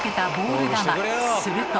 すると。